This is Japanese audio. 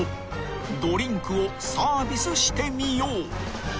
［ドリンクをサービスしてみよう］